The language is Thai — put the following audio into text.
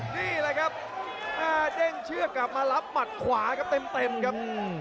นี่แหละครับเด้งเชือกกลับมารับหมัดขวาครับเต็มครับ